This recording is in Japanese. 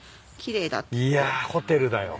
いやホテルだよ。